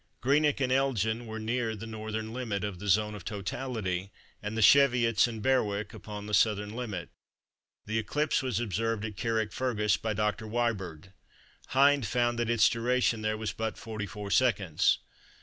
Greenock and Elgin were near the northern limit of the zone of totality, and the Cheviots and Berwick upon the southern limit. The eclipse was observed at Carrickfergus by Dr. Wyberd. Hind found that its duration there was but 44s.